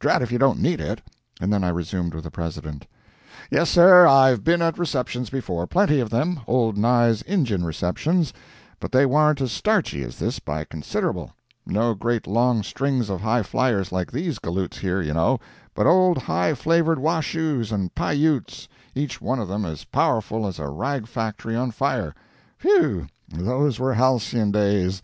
Drat if you don't need it." And then I resumed with the President: "Yes, sir, I've been at receptions before, plenty of them—old Nye's Injun receptions. But they warn't as starchy as this by considerable. No great long strings of high fliers like these galoots here, you know, but old high flavored Washoes and Pi Utes, each one of them as powerful as a rag factory on fire. Phew! Those were halcyon days.